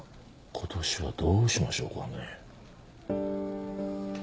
今年はどうしましょうかね。